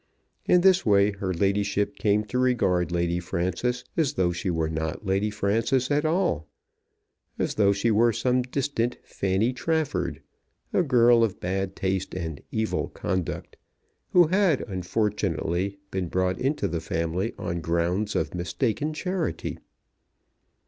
In this way her ladyship came to regard Lady Frances as though she were not Lady Frances at all, as though she were some distant Fanny Trafford, a girl of bad taste and evil conduct, who had unfortunately been brought into the family on grounds of mistaken charity.